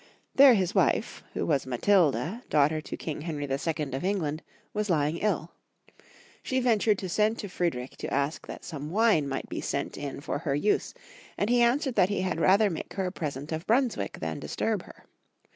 There his wife, who was Matilda, daughter to King Henry II. of Eng land, was lying ill. She ventured to send to Fried rich to ask that some wine might be sent in for her use, and he answered that he had rather make her a present of Brunswick than disturb her.